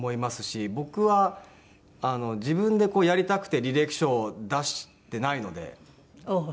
僕は自分でやりたくて履歴書を出してないので。